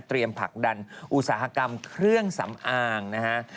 เตรียมผลักดันอุตสาหกรรมเครื่องสัมภังค่ะ